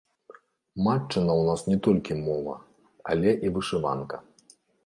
Матчына ў нас не толькі мова, але і вышыванка.